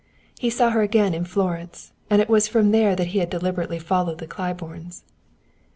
He saw her again in Florence; and it was from there that he had deliberately followed the Claibornes.